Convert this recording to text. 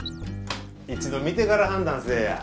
一度見てから判断せえや。